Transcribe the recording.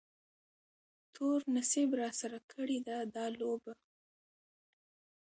تور نصیب راسره کړې ده دا لوبه